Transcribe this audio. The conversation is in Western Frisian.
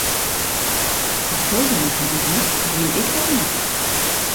Asto der net hinne giest, gean ik ek net.